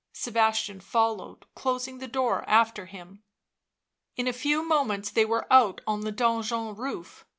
Sebastian followed, closing the door after him. In a few moments they were out on the donjon roof.